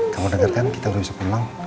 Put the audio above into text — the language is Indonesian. kamu dengar kan kita belum bisa pulang